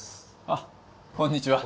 あっこんにちは。